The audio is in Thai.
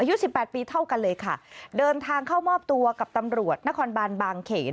อายุสิบแปดปีเท่ากันเลยค่ะเดินทางเข้ามอบตัวกับตำรวจนครบานบางเขน